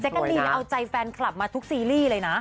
กะลีนเอาใจแฟนคลับมาทุกซีรีส์เลยนะ